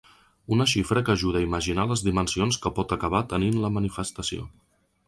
Una xifra que ajuda a imaginar les dimensions que pot acabar tenint la manifestació.